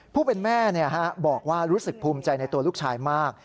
ผู้เป็นแม่บอกว่ารู้สึกภูมิใจในตัวลูกชายมาก